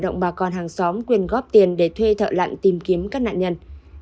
để vận động bà con hàng xóm quyền góp tiền để thuê thợ lặn tìm kiếm các nạn nhân